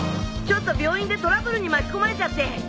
ちょっと病院でトラブルに巻き込まれちゃって。